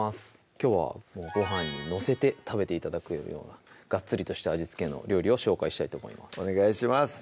きょうはごはんに載せて食べて頂く料理はガッツリとした味付けの料理を紹介したいと思いますお願いします